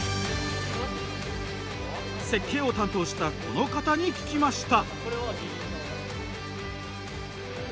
設計を担当したこの方に聞きました。